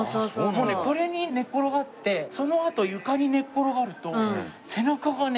もうねこれに寝転がってそのあと床に寝っ転がると背中がね